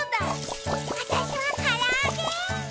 わたしはからあげ！